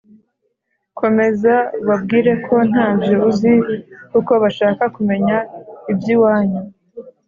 Komeza ubabwireko ntabyo uzi kuko bashaka kumenya ibyiwanyu